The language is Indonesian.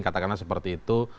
katakanlah seperti itu